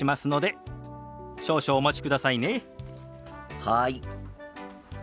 はい。